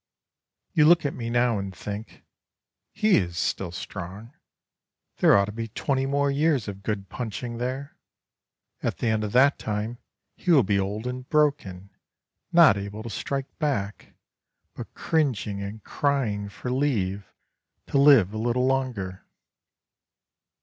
You look at me now and think, "He is still strong, There ought to be twenty more years of good punching there. At the end of that time he will be old and broken, Not able to strike back, But cringing and crying for leave To live a little longer."